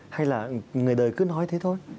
hay là người đời cứ nói thế thôi